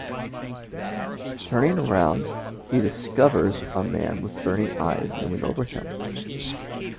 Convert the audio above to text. Turning around, he discovers a man with burning eyes looming over him.